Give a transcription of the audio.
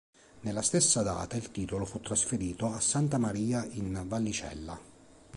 Nella stessa data il titolo fu trasferito a Santa Maria in Vallicella.